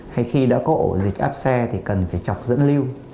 hay khi đã có ổ dịch áp xe thì cần phải chọc dẫn lưu